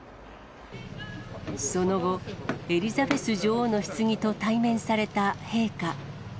その後、エリザベス女王のひつぎと対面された陛下。